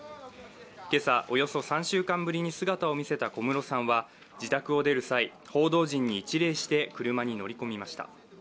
今朝、およそ３週間ぶりに姿を見せた小室さんは自宅を出る際、報道陣に一礼して車に乗り込みました。